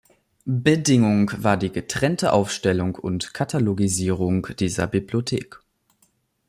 Bedingung war die getrennte Aufstellung und Katalogisierung dieser Bibliothek.